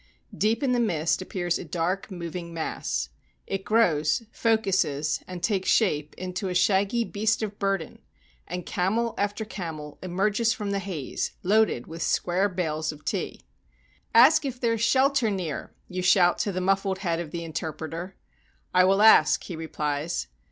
Deep in the mist appears a dark moving mass. It grows, focuses, and takes shape into a shaggy beast of burden, and camel after camel emerges from the haze, loaded with square bales of tea. "Ask if there is shelter near," you shout to the muf fled head of the interpreter. "I will ask," he replies.